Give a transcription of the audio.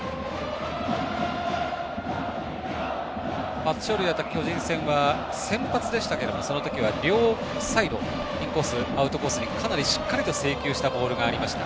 初勝利だった巨人は先発でしたが、その時は両サイド、インコースアウトコースにかなりしっかりと制球したボールがありました。